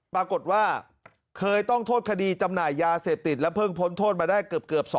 ปรากฏว่าเคยต้องโทษคดีจำหน่ายยาเสพติดและเพิ่งพ้นโทษมาได้เกือบ